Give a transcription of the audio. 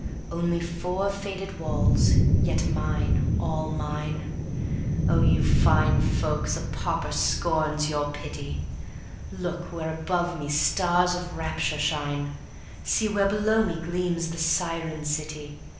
Only four faded walls, yet mine, all mine. Oh, you fine folks, a pauper scorns your pity. Look, where above me stars of rapture shine; See, where below me gleams the siren city